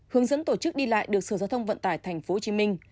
hướng dẫn tổ chức đi lại được sở giáo thông vận tải thành phố hồ chí minh